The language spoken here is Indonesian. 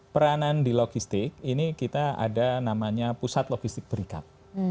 peranan di logistik ini kita ada namanya pusat logistik berikat